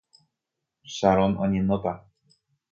Sharon oñenóta.